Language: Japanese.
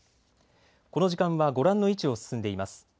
この時間はご覧の位置を進んでいます。